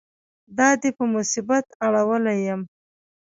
دا دې په مصیبت اړولی یم.